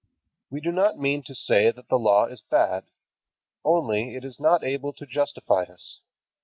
We do not mean to say that the Law is bad. Only it is not able to justify us.